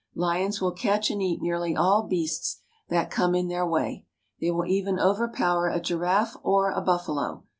Lions will catch and eat nearly all beasts that come in their way. They will even overpower a giraffe or a buffalo.